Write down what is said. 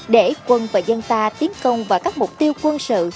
để quân và dân ta tiến công vào các mục tiêu quân sự